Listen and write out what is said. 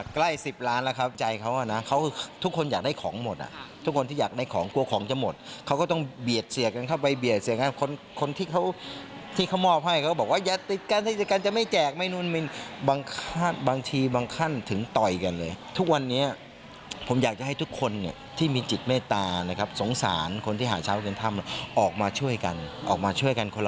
ใกล้๑๐ล้านแล้วครับใจเขาอ่ะนะเขาคือทุกคนอยากได้ของหมดอ่ะทุกคนที่อยากได้ของกลัวของจะหมดเขาก็ต้องเบียดเสียกันเข้าไปเบียดเสียกันคนคนที่เขาที่เขามอบให้เขาบอกว่าอย่าติดกันติดกันจะไม่แจกไม่นู่นบางทีบางขั้นถึงต่อยกันเลยทุกวันนี้ผมอยากจะให้ทุกคนเนี่ยที่มีจิตเมตตานะครับสงสารคนที่หาเช้ากินค่ำออกมาช่วยกันออกมาช่วยกันคนละ